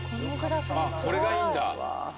あっこれがいいんだ。